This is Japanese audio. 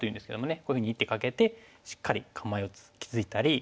こういうふうに１手かけてしっかり構えを築いたり。